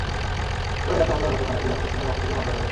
পরে রাতে হামলার ঘটনায় জেলা প্রশাসনের পক্ষ থেকে মামলা করা হয়।